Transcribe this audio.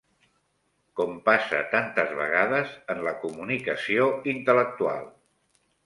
Com passa tantes vegades en la comunicació intel·lectual